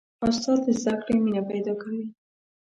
استاد د زده کړې مینه پیدا کوي.